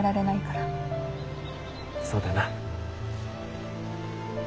そうだな。